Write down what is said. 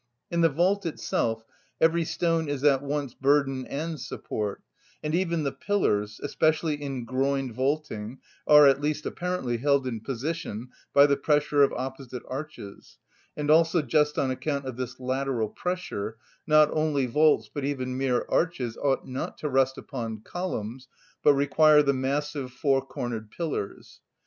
In the vault itself every stone is at once burden and support, and even the pillars, especially in groined vaulting, are, at least apparently, held in position by the pressure of opposite arches; and also just on account of this lateral pressure not only vaults but even mere arches ought not to rest upon columns, but require the massive four‐ cornered pillars.